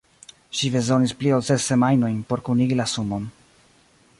Ŝi bezonis pli ol ses semajnojn por kunigi la sumon.